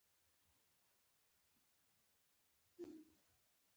شته مني لکه لولۍ چي د سړي غیږي ته لویږي